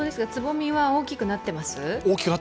つぼみは大きくなってます？